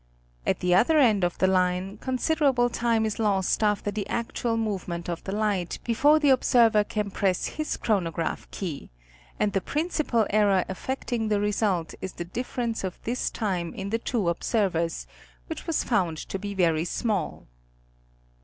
At the other end of the line, considerable time is lost after the actual movement of the light before the observer can press his chronograph key, and _ the principal error affecting the result is the difference of this time in the two observers, which was found to be very small.